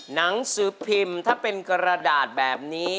หนังสือพิมพ์ถ้าเป็นกระดาษแบบนี้